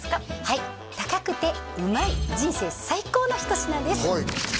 はい高くてうまい人生最高の一品です